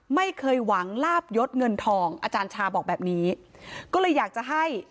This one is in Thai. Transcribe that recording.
ไม่เคยหวังลาบยศเงินทองอาจารย์ชาบอกแบบนี้ก็เลยอยากจะให้